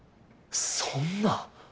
そんな！